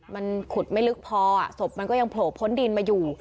มันขุดไม่ลึกพอศพมันก็ยังโผล่พ้นดินมาอยู่